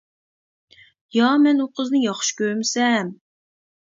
يا مەن ئۇ قىزنى ياخشى كۆرمىسەم.